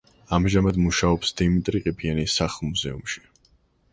ამჟამად მუშაობს დიმიტრი ყიფიანის სახლ-მუზეუმში.